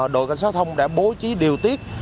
đội cảnh sát thông đã bố trí điều tiết